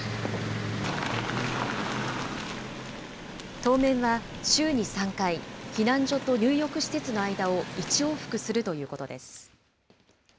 当面は週に３回、避難所と入浴施設の間を１往復するということです。